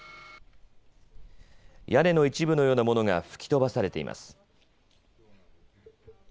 屋根の一部のようなものが吹き飛ばされています。